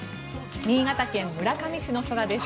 新潟県村上市の空です。